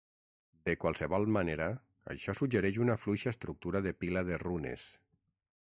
De qualsevol manera, això suggereix una fluixa estructura de pila de runes.